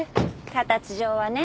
形上はね。